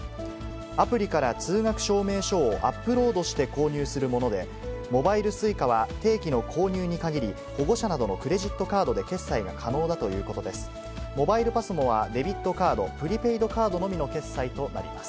アプリから通学証明書をアップロードして購入するもので、モバイルＳｕｉｃａは定期の購入に限り、保護者などのクレジットカードで決済が可能だということです。